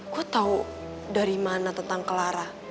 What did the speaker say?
gue tahu dari mana tentang clara